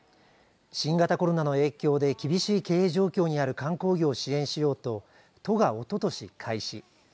新型コロナの影響で厳しい経営状況にある観光業を支援しようと都がおととし開始。